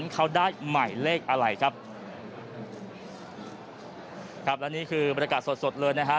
เขาได้ใหม่เลขอะไรครับครับและนี่คือบรรยากาศสดสดเลยนะฮะ